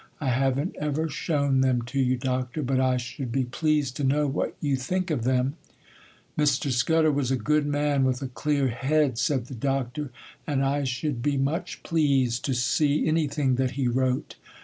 I haven't ever shown them to you, Doctor; but I should be pleased to know what you think of them.' 'Mr. Scudder was a good man, with a clear head,' said the Doctor; 'and I should be much pleased to see anything that he wrote.